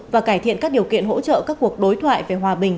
và cải thiện các điều kiện hỗ trợ các cuộc đối thoại về hòa bình